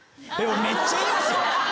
めっちゃ言いますよ。